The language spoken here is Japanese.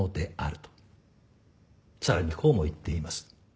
さらにこうも言っています。